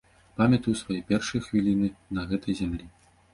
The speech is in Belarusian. Памятаю свае першыя хвіліны на гэтай зямлі.